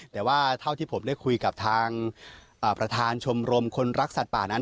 แต่ว่าเท่าที่ผมได้คุยกับทางประธานชมรมคนรักสัตว์ป่านั้น